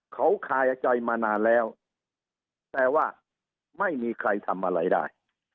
เขาคายใจมานานแล้วแต่ว่าไม่มีใครทำอะไรได้